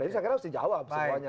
saya kira harus dijawab semuanya